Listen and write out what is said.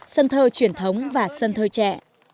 sân thơ truyền thống và sân thơ trẻ